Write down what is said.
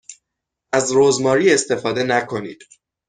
از رزماری استفاده نکنید.